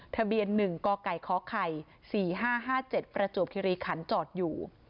ทะเบียน๑กไก่คไข่๔๕๕๗ประจวบคิริขันจอดอยู่